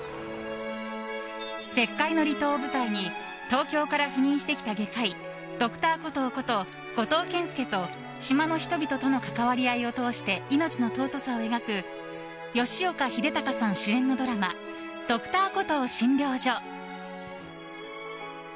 絶海の離島を舞台に東京から赴任してきた外科医Ｄｒ．コトーこと五島健助と島の人々との関わり合いを通して命の尊さを描く吉岡秀隆さん主演のドラマ「Ｄｒ．コトー診療所」。